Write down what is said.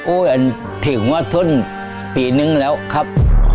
โอ้ยถือกงวดทุ่นปีหนึ่งแล้วครับ